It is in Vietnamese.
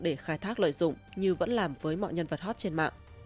để khai thác lợi dụng như vẫn làm với mọi nhân vật hot trên mạng